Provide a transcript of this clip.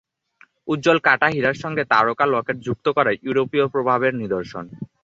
উজ্জ্বল কাটা হীরার সঙ্গে তারকা-লকেট যুক্ত করা ইউরোপীয় প্রভাবের নিদর্শন।